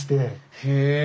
へえ！